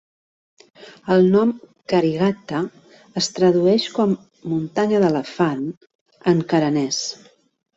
El nom "Karighatta" es tradueix com "muntanya d'elefant" en kanarès.